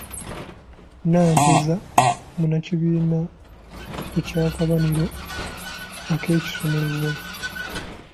Nanteza munnakibiina eky'akabonero ak'ekisumuluzo.